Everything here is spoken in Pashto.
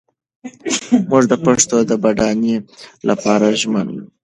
موږ د پښتو د بډاینې لپاره ژمن یو.